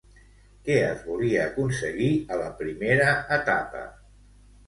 Què es volia aconseguir a la primera etapa?